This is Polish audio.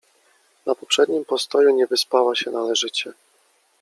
Na poprzednim postoju nie wyspała się należycie.